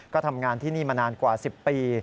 ก็ทำงานที่นี่มานานกว่า๑๐ปี